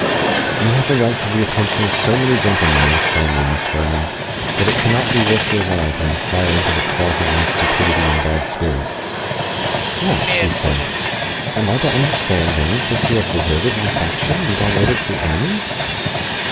"You have a right to the attention of so many gentlemen in this family, Miss Vernon, that it cannot be worth your while to inquire into the cause of my stupidity and bad spirits." "What!" she said, "am I to understand, then, that you have deserted my faction, and gone over to the enemy?"